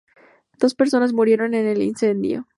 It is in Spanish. Dos personas murieron en el incendio.